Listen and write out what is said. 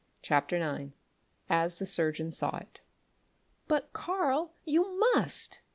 CHAPTER IX AS THE SURGEON SAW IT "But, Karl, you _must!